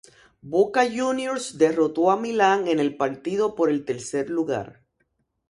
Boca Juniors derrotó a Milan en el partido por el tercer lugar.